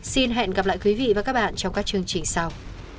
xin hẹn gặp lại quý vị và các bạn trong các chương trình sau